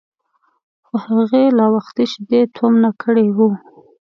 خو هغې لا وختي شیدې تومنه کړي وو.